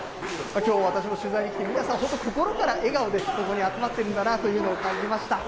きょう、私も取材に来て、皆さん、本当、心から笑顔でここに集まってるんだなというのを感じました。